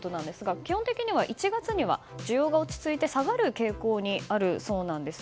基本的には１月には需要が落ち着いて下がる傾向にあるそうです。